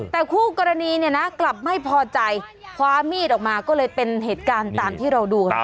แต่คู่กรณีเนี่ยนะกลับไม่พอใจคว้ามีดออกมาก็เลยเป็นเหตุการณ์ตามที่เราดู